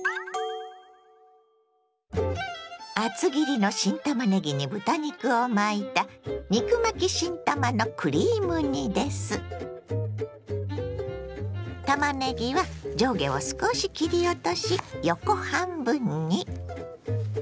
厚切りの新たまねぎに豚肉を巻いたたまねぎは上下を少し切り落とし横半分に。